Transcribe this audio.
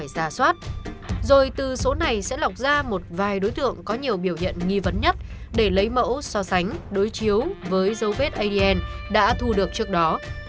rồi từ số này sẽ lọc ra một vài đối tượng có nhiều biểu hiện nghi vấn nhất để lấy mẫu so sánh đối chiếu với dấu vết adn đã thu được trước đó